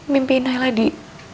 mimpiin nailah di